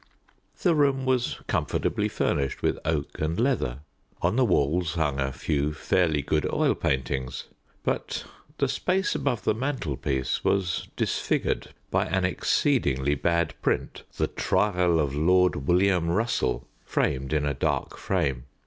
The room was comfortably furnished with oak and leather. On the walls hung a few fairly good oil paintings, but the space above the mantelpiece was disfigured by an exceedingly bad print, "The Trial of Lord William Russell," framed in a dark frame.